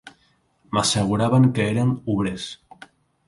M'asseguraven que eren «obrers»